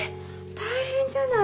大変じゃない。